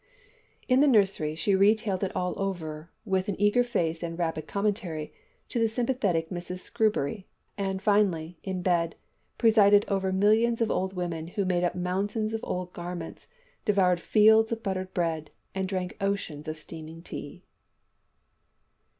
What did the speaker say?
In the nursery she retailed it all over, with an eager face and rapid commentary, to the sympathetic Mrs Screwbury, and finally, in bed, presided over millions of old women who made up mountains of old garments, devoured fields of buttered bread, and drank oceans of steaming tea!